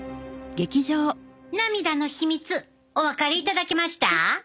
涙の秘密お分かりいただけました？